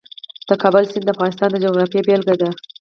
د کابل سیند د افغانستان د جغرافیې بېلګه ده.